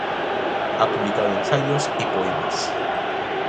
Ha publicado ensayos y poemas.